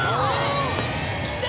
きた！